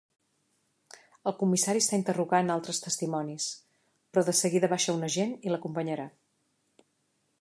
El comissari està interrogant altres testimonis, però de seguida baixa un agent i l'acompanyarà.